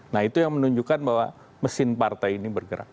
nah itu yang menunjukkan bahwa mesin partai ini bergerak